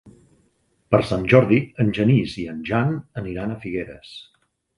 Per Sant Jordi en Genís i en Jan aniran a Figueres.